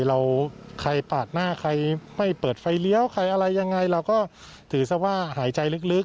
เราใครปาดหน้าใครไม่เปิดไฟเลี้ยวใครอะไรยังไงเราก็ถือซะว่าหายใจลึก